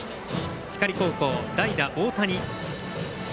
光高校、代打、大谷。